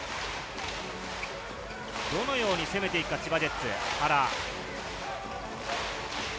どのように攻めていくか、千葉ジェッツ。